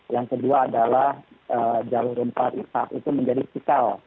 yang kedua adalah jalur rempah itu menjadi sikal